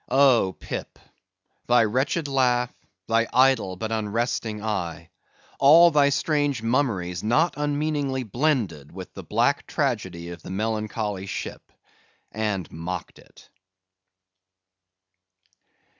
Oh, Pip! thy wretched laugh, thy idle but unresting eye; all thy strange mummeries not unmeaningly blended with the black tragedy of the melancholy ship, and mocked it!